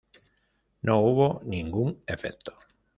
No hubo ningún efecto.